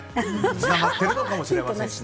つながっているのかもしれません。